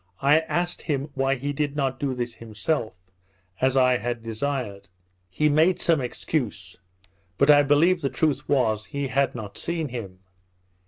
I asked him why he did not do this himself, as I had desired. He made some excuse; but, I believe the truth was, he had not seen him.